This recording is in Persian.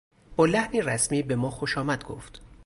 با لحنی رسمی به ما خوشامد گفت.